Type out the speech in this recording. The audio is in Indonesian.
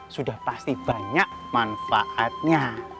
sudah pasti banyak manfaatnya